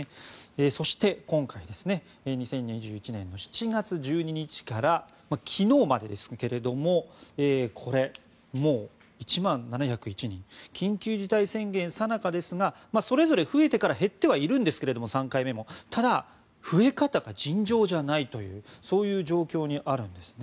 そして、今回２０２１年４月１２日から昨日までですけれどももう１万７０１人緊急事態宣言さなかですがそれぞれ増えてから減ってはいるんですが、３回目もただ、増え方が尋常じゃないという状況にあるんですね。